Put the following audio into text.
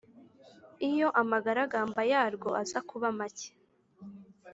iyo amagaragamba yarwo aza kuba make